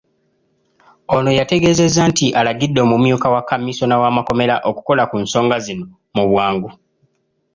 Ono yategeeezezza nti alagidde omumyuka wa Kamisona w'amakomera okukola ku nsonga zino mu bwangu..